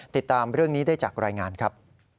ติดตามเรื่องนี้ได้จากรายงานครับ